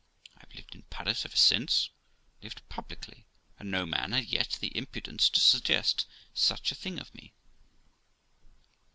I have lived in Paris ever since, lived publicly, and no man had yet the impu dence to suggest such a thing of me.